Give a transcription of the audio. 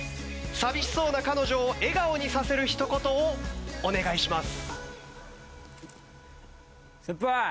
寂しそうな彼女を笑顔にさせる一言をお願いします。